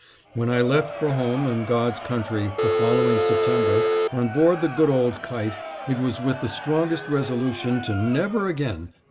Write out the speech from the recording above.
When I left for home and God's Country the following September, on board the good old Kite, it was with the strongest resolution to never again!